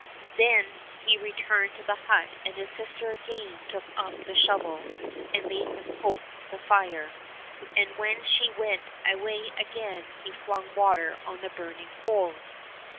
Then he returned to the hut, and his sister again took up the shovel and made him poke up the fire, and when she went away he again flung water on the burning coals.